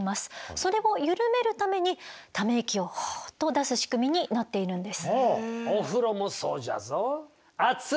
それを緩めるためにため息をホッと出す仕組みになっているんです。